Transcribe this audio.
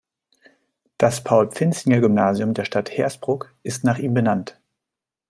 Das Paul-Pfinzing-Gymnasium der Stadt Hersbruck ist nach ihm benannt.